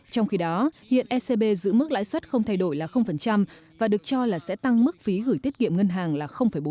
trong khi đó hiện ecb giữ mức lãi suất không thay đổi là và được cho là sẽ tăng mức phí gửi tiết kiệm ngân hàng là bốn